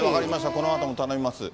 このあとも頼みます。